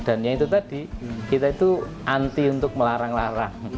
dan yang itu tadi kita itu anti untuk melarang larang